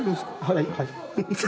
はいはい。